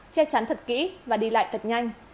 che chắn thật kỹ và đi lại thật nhanh